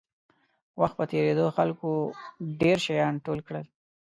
وخت په تېرېدو خلکو ډېر شیان ټول کړل.